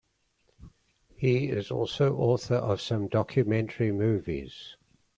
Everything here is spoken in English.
He is also author of some documentary movies.